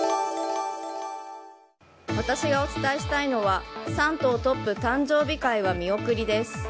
私がお伝えしたいのは３党トップ誕生日会は見送りです。